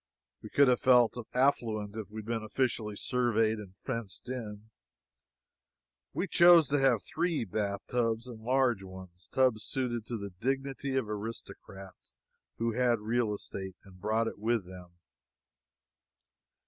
We could have felt affluent if we had been officially surveyed and fenced in. We chose to have three bathtubs, and large ones tubs suited to the dignity of aristocrats who had real estate, and brought it with them.